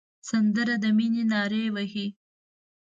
سندره د مینې نارې وهي